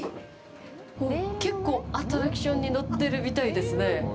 おっ、結構アトラクションに乗ってるみたいですね。